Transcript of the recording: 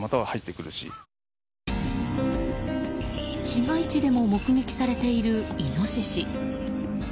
市街地でも目撃されているイノシシ。